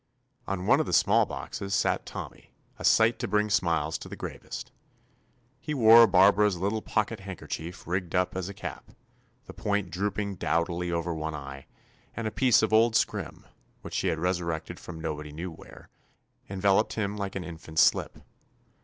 On one of the small boxes sat Tommy, a sight to bring smiles to the gravest. He wore Barbara's lit tle pocket handkerchief rigged up as a cap, the point drooping dowdily over one eye, and a piece of old scrim, which she had resurrected from no body knew where, enveloped him like an infant's slip.